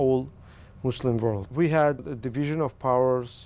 ông ấy đã hỏi hàn quốc